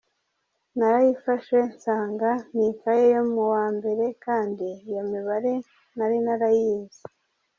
Narayifashe nsanga n’ikaye yo mu wa mbere kandi iyo mibare nari narayize.